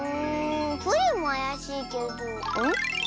プリンもあやしいけどん？